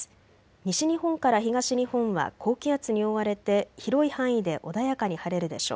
西日本から東日本は高気圧に覆われて広い範囲で穏やかに晴れるでしょう。